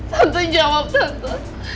tante jawab tante